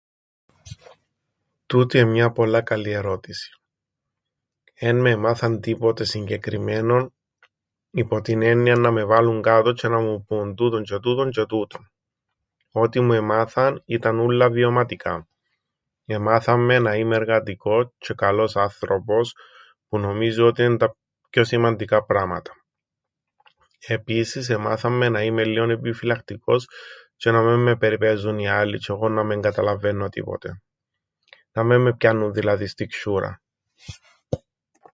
Τούτη εν' μια πολλά καλή ερώτηση. Εν με εμάθαν τίποτε συγκεκριμμένον, υπό την έννοιαν να με βάλουν κάτω τζ̆αι να μου πουν: τούτον τζ̆αι τούτον τζ̆αι τούτον. Ό,τι μου εμάθαν, ήταν ούλλα βιωματικά. Εμάθαν με να είμαι εργατικός τζ̆αι καλός άνθρωπος, που νομίζω ότι εν' τα πιο σημαντικά πράματα. Επίσης, εμάθαν με να είμαι λλίον επιφυλακτικός τζ̆αι να μεν με περιπαίζουν οι άλλοι τζ̆ι εγώ να μεν καταλαβαίννω τίποτε, να μεν με πιάννουν δηλαδή στην ξ̆ιούραν.